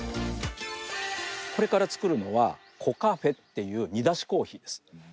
これから作るのはコカフェっていう煮出しコーヒーです。